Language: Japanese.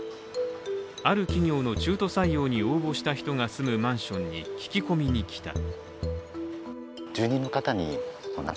ある企業の中途採用に応募した人が住むマンションに聞き込みに来た。